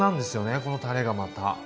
このたれがまた。